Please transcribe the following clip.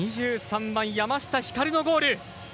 ２３番、山下光のゴール。